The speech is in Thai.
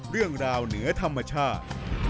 เรื่องราวเหนือธรรมชาชิคกรปิสัจดิ์